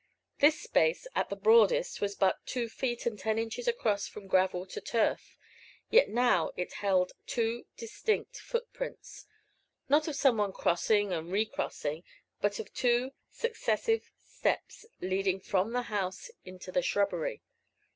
This space, at the broadest, was but two feet and ten inches across from gravel to turf, yet now it held two distinct footprints, not of some one crossing and re crossing, but of two successive steps leading from the house into the shrubbery.